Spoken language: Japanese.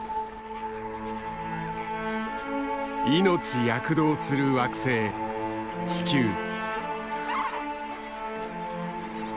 命躍動する惑星地球。